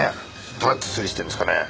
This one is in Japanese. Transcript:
どうやって推理してるんですかね？